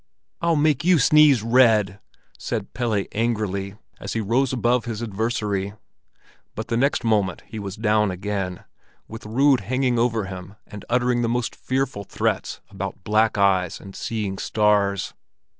"I'll make you sneeze red," said Pelle angrily, as he rose above his adversary; but the next moment he was down again, with Rud hanging over him and uttering the most fearful threats about black eyes and seeing stars.